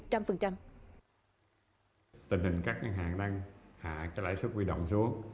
tình hình các ngân hàng đang hạ cái lãi suất huy động xuống